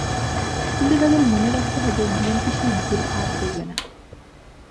কিন্তু তাদের মনে রাখতে হবে, বিএনপি সেই ভুল আর করবে না।